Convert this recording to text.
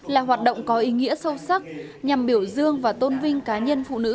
là hoạt động có ý nghĩa sâu sắc nhằm biểu dương và tôn vinh cá nhân phụ nữ